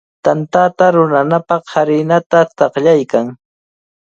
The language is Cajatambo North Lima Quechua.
Tantata rurananpaq harinata taqllaykan.